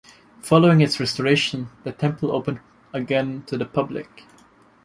Following its restoration the temple opened again to the public.